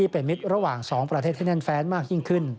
เป็นมิตรระหว่าง๒ประเทศให้แน่นแฟนมากยิ่งขึ้น